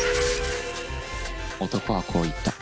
男はこう言った。